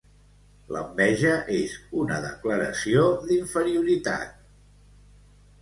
L'enveja és una declaració d'inferioritat.